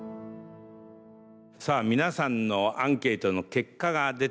さあ皆さんのアンケートの結果が出たようです。